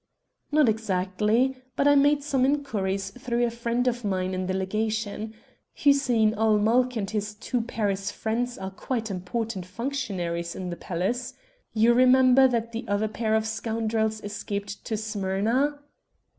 "Not exactly; but I made some inquiries through a friend of mine in the Legation. Hussein ul Mulk and his two Paris friends are quite important functionaries in the palace. You remember that the other pair of scoundrels escaped to Smyrna?"